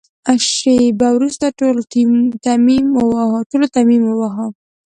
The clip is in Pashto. شېبه وروسته ټولو تيمم وواهه.